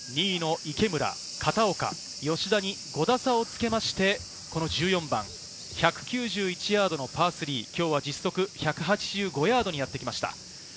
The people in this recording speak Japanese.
２位の池村、片岡、吉田に５打差をつけまして、この１４番、１９１ヤードのパー３。今日は実測１８５ヤードにやってきました。